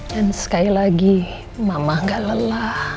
dan sekali lagi mama gak lelah